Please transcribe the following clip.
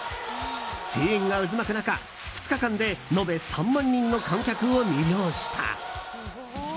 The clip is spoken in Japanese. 声援が渦巻く中、２日間で延べ３万人の観客を魅了した。